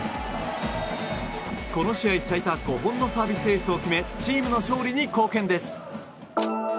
この試合最多５本のサービスエースを決めチームの勝利に貢献です。